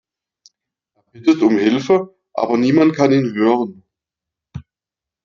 Er bittet um Hilfe, aber niemand kann ihn hören.